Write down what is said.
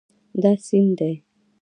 دا سیند دی